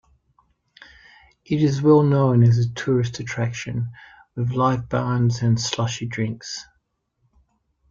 It is well known as a tourist attraction, with live bands and slushy drinks.